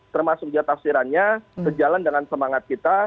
termasuk tafsirannya berjalan dengan semangat kita